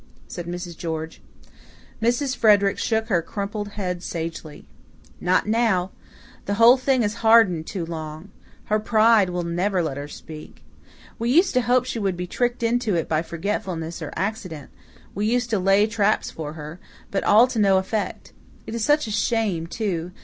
said Mrs. George. Mrs. Frederick shook her crimped head sagely. "Not now. The whole thing has hardened too long. Her pride will never let her speak. We used to hope she would be tricked into it by forgetfulness or accident we used to lay traps for her but all to no effect. It is such a shame, too.